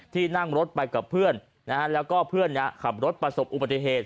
ที่นั่งรถไปกับเพื่อนแล้วก็เพื่อนขับรถประสบอุบัติเหตุ